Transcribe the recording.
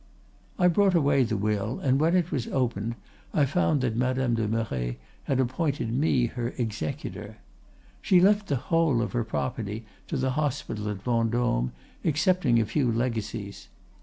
"'I brought away the will, and when it was opened I found that Madame de Merret had appointed me her executor. She left the whole of her property to the hospital at Vendôme excepting a few legacies.